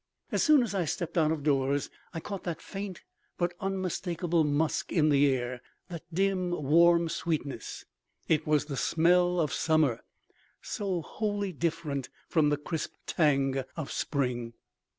As soon as I stepped out of doors I caught that faint but unmistakable musk in the air; that dim, warm sweetness. It was the smell of summer, so wholly different from the crisp tang of spring.